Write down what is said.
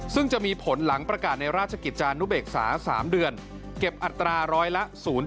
ซึ่งจะมีผลหลังประกาศในราชกิจจานุเบกษา๓เดือนเก็บอัตราร้อยละ๐๒